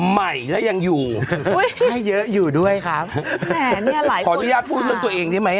ใหม่และยังอยู่ด้วยครับขออนุญาตพูดกับตัวเองนี่ไหมอ่ะ